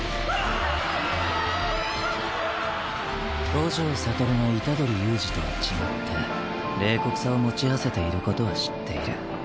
五条悟が虎杖悠仁とは違って冷酷さを持ち合わせていることは知っている。